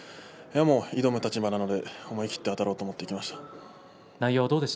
挑む立場なので思い切りあたっていこうと思っていました。